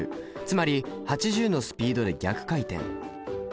つまり８０のスピードで逆回転。